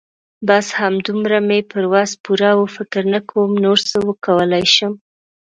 بس همدومره مې پر وس پوره وه. فکر نه کوم نور څه وکولای شم.